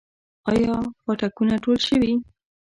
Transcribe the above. آیا پاټکونه ټول شوي؟